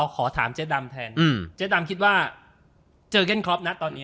ขอถามเจ้าธรรมคิดว่าเจอเย้งครอบนะตอนนี้